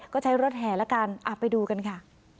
ก็ใช้รถแห่ละกันไปดูกันค่ะ